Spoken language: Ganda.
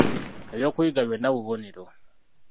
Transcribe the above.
Eby'okuyiga byonna bubonero.